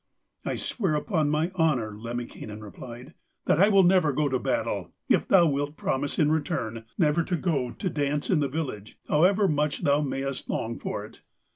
'I will swear upon my honour,' Lemminkainen replied, 'that I will never go to battle, if thou wilt promise in return never to go to dance in the village, however much thou mayst long for it.'